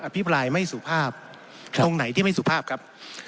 ตรงไหนที่ไม่สุภาพครับ